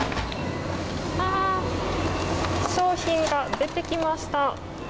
商品が出てきました。